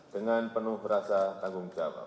dengan penuh rasa tanggung jawab